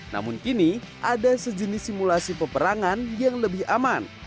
namun kini ada sejenis simulasi peperangan yang lebih aman